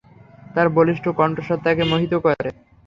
তাঁর বলিষ্ঠ কণ্ঠস্বর তাকে মোহিত করে।